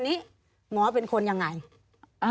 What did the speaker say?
มีความรู้สึกว่ามีความรู้สึกว่า